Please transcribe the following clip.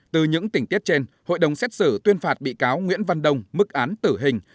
từ những tỉnh tiết trên hội đồng xét xử tuyên phạt bị cáo nguyễn văn đông mức án tử hình